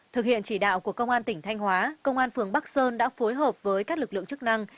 thực hiện chỉ đạo của công an tỉnh thanh hóa công an phường bắc sơn đã phối hợp với các lực lượng chức năng